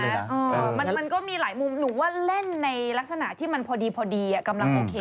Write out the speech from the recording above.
มันก็มีหลายมุมหนูว่าเล่นในลักษณะที่มันพอดีพอดีกำลังโอเค